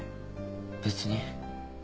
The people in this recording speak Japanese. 別に。